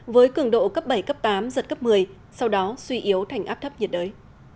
với cường độ cấp bảy cấp tám giật cấp một mươi sau đó suy yếu thành áp thấp nhiệt đới